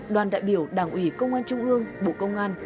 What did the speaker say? đoàn đại biểu đảng ủy công an trung ương bộ công an